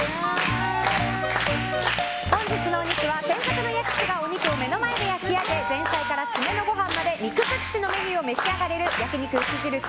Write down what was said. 本日のお肉は、専属の焼き師がお肉を目の前で焼き上げ前菜から締めのご飯まで肉づくしのメニューを召し上がれる焼肉牛印